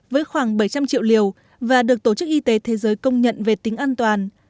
với khoảng bảy trăm linh triệu liều và được tổ chức y tế thế giới công nhận về tính an toàn